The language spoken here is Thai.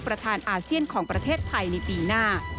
อาเซียนของประเทศไทยในปีหน้า